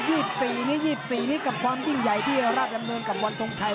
สี่นี้ยี่สิบสี่นี้กับความยิ่งใหญ่ที่ราชดำเนินกับวันทรงชัย